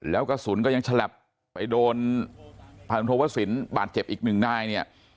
แล้วกระสุนก็ยังฉลับไปโดนพันธวสินบาดเจ็บอีกหนึ่งนายเนี่ย